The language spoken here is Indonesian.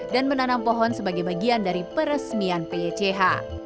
dan menanam pohon sebagai bagian dari peresmian pych